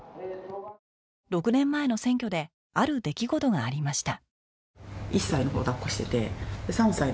６年前の選挙である出来事がありました